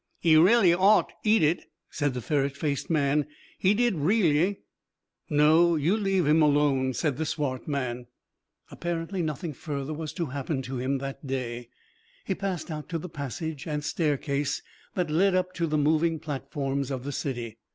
"'E reely ought, eat it," said the ferret faced man. "'E did reely." "No you leave 'im alone," said the swart man. Apparently nothing further was to happen to him that day. He passed out to the passage and staircase that led up to the moving platforms of the city.